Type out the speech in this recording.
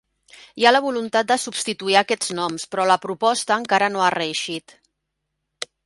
Hi ha la voluntat de substituir aquests noms, però la proposta encara no ha reeixit.